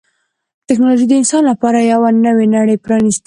ټکنالوجي د انسان لپاره یوه نوې نړۍ پرانستې ده.